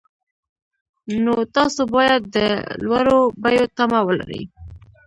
نو تاسو باید د لوړو بیو تمه ولرئ